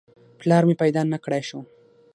پلار مې پیدا نه کړای شو.